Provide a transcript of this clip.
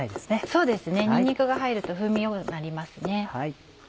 そうですねにんにくが入ると風味よくなりますね。